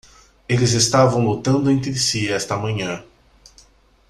Eles estavam lutando entre si esta manhã.